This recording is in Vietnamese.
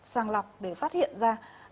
sàng lọc để phát hiện ra